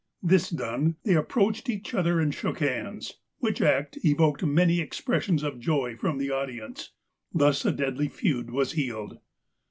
This done, they approached each other, and shook hands, which act evoked many expressions of joy from the audience. Thus a deadly feud was healed